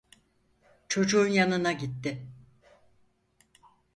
Çocuğun yanına gitti.